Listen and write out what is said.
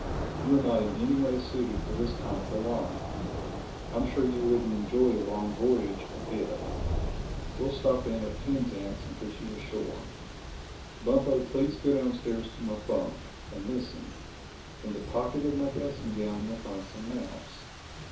You are not in any way suited to this kind of a life. I'm sure you wouldn't enjoy a long voyage a bit. We'll stop in at Penzance and put you ashore. Bumpo, please go downstairs to my bunk; and listen: in the pocket of my dressing gown you'll find some maps.